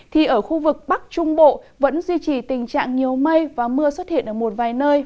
thì ở khu vực bắc trung bộ vẫn duy trì tình trạng nhiều mây và mưa xuất hiện ở một vài nơi